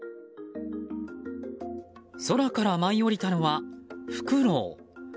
空から舞い降りたのはフクロウ。